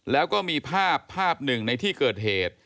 แล้วก็มีภาพภาพหนึ่งในที่เกิดเหตุ